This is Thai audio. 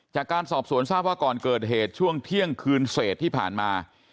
จากการสอบสวนทราบว่าก่อนเกิดเหตุช่วงเที่ยงคืนเศษที่ผ่านมา